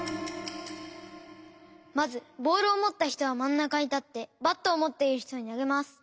まずボールをもったひとはまんなかにたってバットをもっているひとになげます。